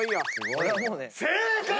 正解！